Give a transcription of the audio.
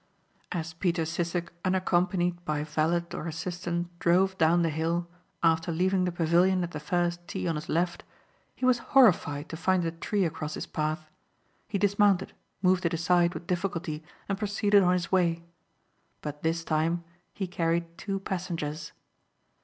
As Peter Sissek unaccompanied by valet or assistant drove down the hill, after leaving the pavilion at the first tee on his left, he was horrified to find a tree across his path. He dismounted, moved it aside with difficulty and proceeded on his way. But this time he carried two passengers.